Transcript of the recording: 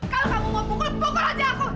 kalau kamu mau pukul pukul aja aku